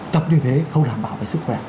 tập như thế không đảm bảo về sức khỏe